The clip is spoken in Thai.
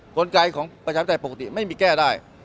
คนไกลของประชาปัญหาปกติไม่มีแก้ได้